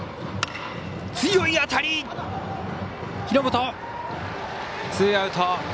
廣本、ツーアウト。